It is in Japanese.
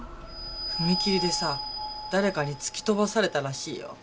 踏切でさ誰かに突き飛ばされたらしいよ。